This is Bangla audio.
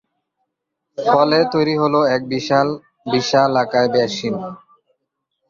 ফলে তৈরি হলো এক বিশালকায় বেসিন।